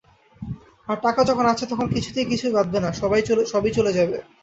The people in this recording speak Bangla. আর টাকা যখন আছে তখন কিছুতেই কিছু বাধবে না, সবই চলে যাবে।